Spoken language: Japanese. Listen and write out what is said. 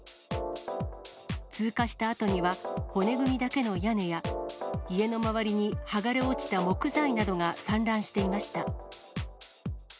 通過したあとには、骨組みだけの屋根や、家の周りに剥がれ落ちた木材などが散乱していました。